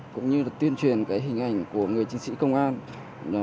cũng như là tuyên truyền hình ảnh của người chiến sĩ công an